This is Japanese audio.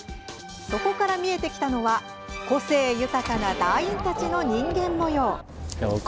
そこから見えてきたのは個性豊かな団員たちの人間もよう。